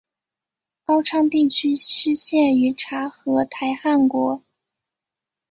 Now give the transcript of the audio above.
高昌地区失陷于察合台汗国。